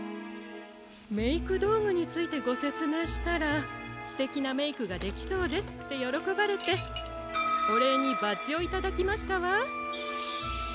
メイクどうぐについてごせつめいしたら「すてきなメイクができそうです」ってよろこばれておれいにバッジをいただきましたわ。